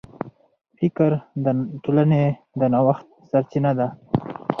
فکر د ټولنې د نوښت سرچینه ده.